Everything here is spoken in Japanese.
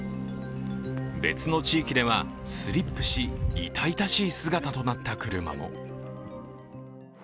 別の地域では、スリップし、痛々しい姿となった車も。